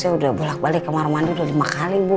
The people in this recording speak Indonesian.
udah bolak balik kemaru mandu twee lima kali bu